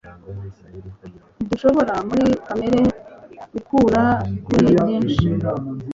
Ntidushobora muri kamere gukura kuri byinshi